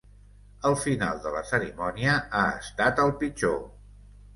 El final de la cerimònia ha estat el pitjor.